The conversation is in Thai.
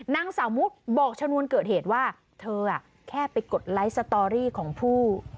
นางสาวมุกบอกชนวนเกิดเหตุว่าเธอแค่ไปกดไลค์สตอรี่ของผู้